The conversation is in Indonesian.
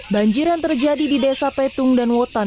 banjiran terjadi di desa petung dan wotan